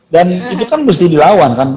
dan itu kan mesti dilawan kan